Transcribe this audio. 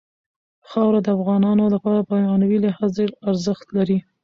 خاوره د افغانانو لپاره په معنوي لحاظ ډېر ارزښت لري.